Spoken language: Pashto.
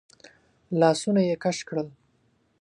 لاسونه يې کش کړل.